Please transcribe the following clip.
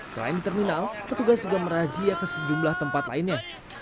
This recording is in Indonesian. selain di terminal petugas juga merazia ke sejumlah tempat lainnya